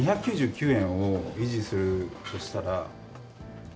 ２９９円を維持するとしたら。